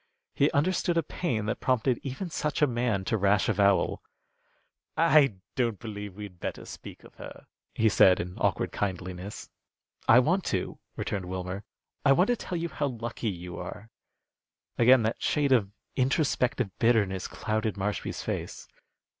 He understood a pain that prompted even such a man to rash avowal. "I don't believe we'd better speak of her," he said, in awkward kindliness. "I want to," returned Wilmer. "I want to tell you how lucky you are." Again that shade of introspective bitterness clouded Marshby's face.